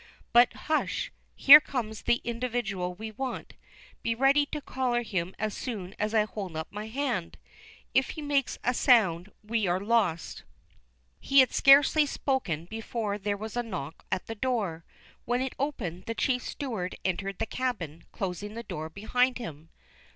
But hush, here comes the individual we want. Be ready to collar him as soon as I hold up my hand. If he makes a sound we are lost." He had scarcely spoken before there was a knock at the door. When it opened, the chief steward entered the cabin, closing the door behind him.